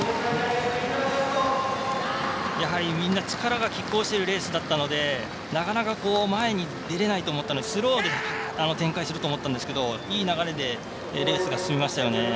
やはりみんな力がきっ抗しているレースだったのでなかなか、前に出れないスローで展開すると思ったんですけどいい流れでレースが進みましたよね。